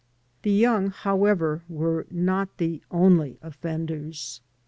The yornig, however, were not the only offenders.